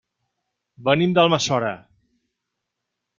Venim d'Almassora.